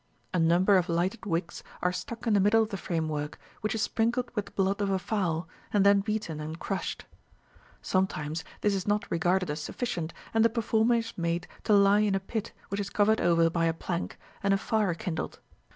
A number of lighted wicks are stuck in the middle of the framework, which is sprinkled with the blood of a fowl, and then beaten and crushed. Sometimes this is not regarded as sufficient, and the performer is made to lie in a pit, which is covered over by a plank, and a fire kindled.